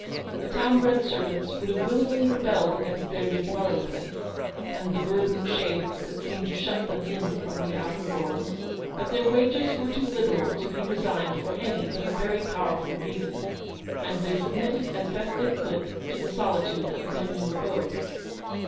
The town bred servants 316 would have willingly rebelled against their new dwelling place, and the verdant shades that seemed to shut them in from the outer world ; but their wages were too liberal to be resigned for any but a very powerful reason, and they sub mitted as best they could to the solitude of their new abode.